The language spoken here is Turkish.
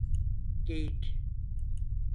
Geyik.